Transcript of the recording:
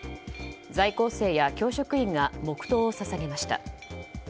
在校生や教職員が黙祷を捧げました。